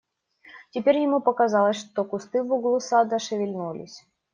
Теперь ему показалось, что кусты в углу сада шевельнулись.